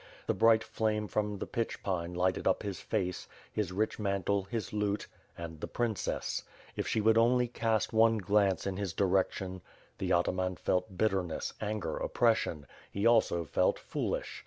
The bright flame from the pitch pine lighted up his face, his rich mantle, his lute — ^and the princess. If she would only cast one glance in his direction; The ataman felt bitterness, anger, oppression; he also felt foolish.